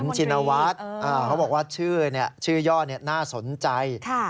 ชินวัฒน์เขาบอกว่าชื่อย่อน่าสนใจ